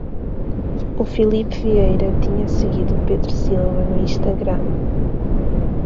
O Filipe Vieira tinha seguido o Pedro Silva no Instagram